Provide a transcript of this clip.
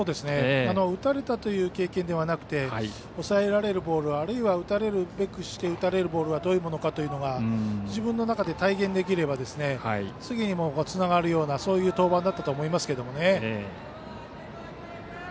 打たれたという経験ではなくて抑えられるボールあるいは打たれるべくして打たれるボールがどういうものかというのが自分の中で体現できるような次につながるようなそういう登板だったと思いますけれどもね。